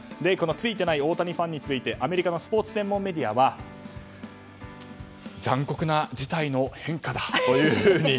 ついていない大谷ファンについてアメリカのスポーツ専門メディアは残酷な事態の変化だというふうに。